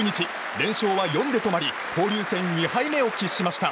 連勝は４で止まり交流戦２敗目を喫しました。